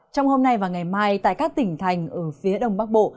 trong hôm nay và ngày mai tại các tỉnh thành ở phía đông bắc bộ